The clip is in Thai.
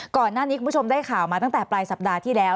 ก่อนหน้านี้คุณผู้ชมได้ข่าวมาตั้งแต่ปลายสัปดาห์ที่แล้ว